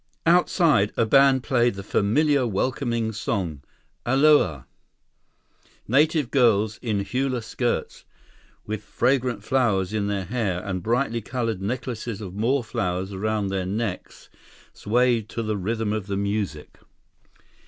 Outside, a band played the familiar welcoming song, "Aloha." Native girls, in hula skirts, with fragrant flowers in their hair and brightly colored necklaces of more flowers around their necks, swayed to the rhythm of the music.